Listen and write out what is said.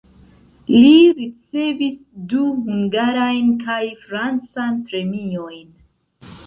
Li ricevis du hungarajn kaj francan premiojn.